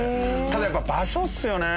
ただやっぱ場所っすよね。